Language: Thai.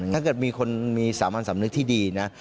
ถ้าเกิดมีคนมีสามัญสำนึกที่ดีนะ